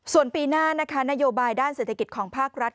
ส่วนปีหน้านะคะนโยบายด้านเศรษฐกิจของภาครัฐ